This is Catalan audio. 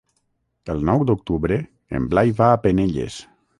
El nou d'octubre en Blai va a Penelles.